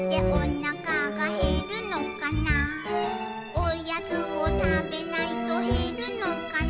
「おやつをたべないとへるのかな」